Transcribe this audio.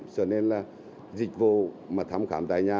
cho nên là dịch vụ mà thăm khám tại nhà